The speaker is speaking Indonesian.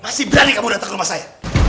masih berani kamu datang ke rumah saya